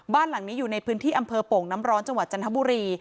บ้านหลังนี้อยู่ในพื้นที่อำเภอโป่งน้ำร้อนจังหวัดจันทบุรี